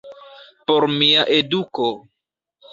Por mia eduko.